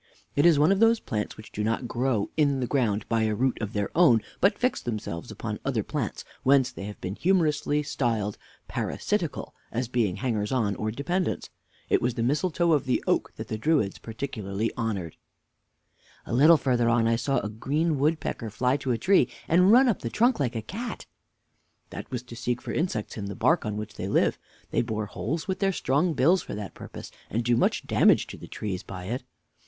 It is one of those plants which do not grow In the ground by a root of their own, but fix themselves upon other plants; whence they have been humorously styled parasitical, as being hangers on, or dependents. It was the mistletoe of the oak that the Druids particularly honored. W. A little farther on I saw a green woodpecker fly to a tree, and run up the trunk like a cat. Mr. A. That was to seek for insects in the bark, on which they live. They bore holes with their strong bills for that purpose, and do much damage to the trees by it.